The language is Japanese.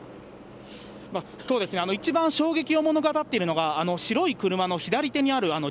そうですね、一番衝撃を物語っているのが、白い車の左手にあ赤いやつ？